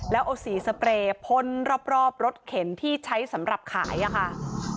แล้วเอาสีสเปรย์พ่นรอบรถเข็นที่ใช้สำหรับขายอะค่ะ